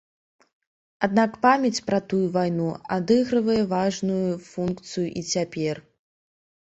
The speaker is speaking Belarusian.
Аднак памяць пра тую вайну адыгрывае важную функцыю і цяпер.